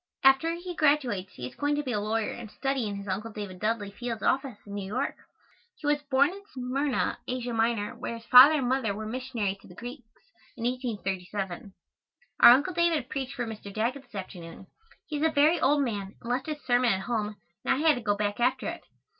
After he graduates he is going to be a lawyer and study in his Uncle David Dudley Field's office in New York. He was born in Smyrna, Asia Minor, where his father and mother were missionaries to the Greeks, in 1837. Our Uncle David preached for Mr. Daggett this afternoon. He is a very old man and left his sermon at home and I had to go back after it.